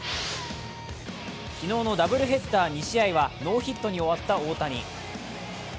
昨日のダブルヘッダー２試合はノーヒットに終わった大谷。